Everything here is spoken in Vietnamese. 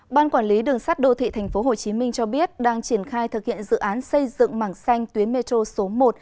ban quản lý đường sắt đô thị tp hcm cho biết đang triển khai thực hiện dự án xây dựng mảng xanh tuyến metro số một